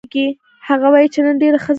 هغه وایي چې نن ډېره ښه ورځ ده